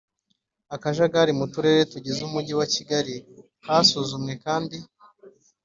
akajagari mu Turere tugize Umujyi wa Kigali Hasuzumwe kandi